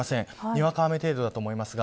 にわか雨程度だと思います。